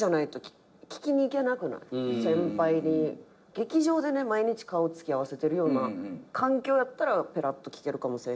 劇場で毎日顔つき合わせてるような環境やったらぺらっと聞けるかもせえへんけど。